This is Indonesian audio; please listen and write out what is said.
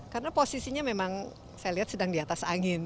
karena posisinya memang saya lihat sedang di atas angin